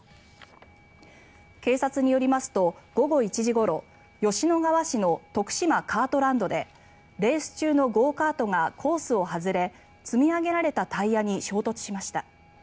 警察によりますと、午後１時ごろ吉野川市の徳島カートランドでレース中のゴーカートがコースを外れ積み上げられたタイヤに衝突しました。